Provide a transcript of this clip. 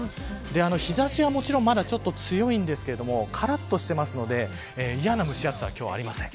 日差しは、もちろん強いんですがからっとしていますので嫌な蒸し暑さはありません。